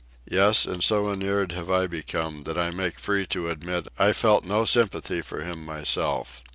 Yes, and so inured have I become that I make free to admit I felt no sympathy for him myself.